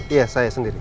iya saya sendiri